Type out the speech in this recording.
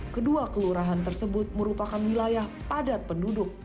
kedua kelurahan tersebut merupakan wilayah padat penduduk